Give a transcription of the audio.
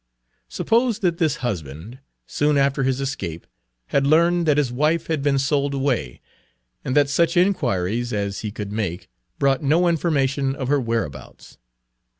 "Suppose that this husband, soon after his escape, had learned that his wife had been Page 21 sold away, and that such inquiries as he could make brought no information of her whereabouts.